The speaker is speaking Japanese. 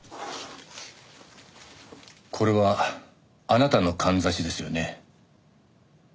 これはあなたのかんざしですよね？